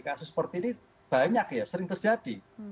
kasus seperti ini banyak ya sering terjadi